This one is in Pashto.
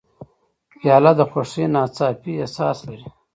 پیاله د خوښۍ ناڅاپي احساس لري.